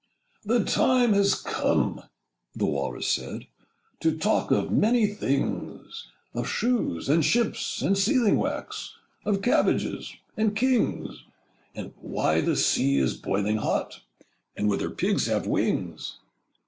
'The time has come,' the Walrus said, Â Â Â Â 'To talk of many things: Of shoes—and ships—and sealing wax— Â Â Â Â Of cabbages—and kings— And why the sea is boiling hot— Â Â Â Â And whether pigs have wings.